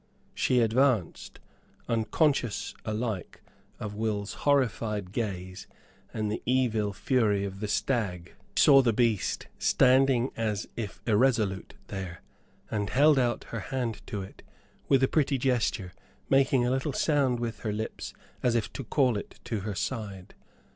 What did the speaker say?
She advanced, unconscious alike of Will's horrified gaze and the evil fury of the stag. She saw the beast, standing as if irresolute, there, and held out her hand to it with a pretty gesture, making a little sound with her lips as if to call it to her side.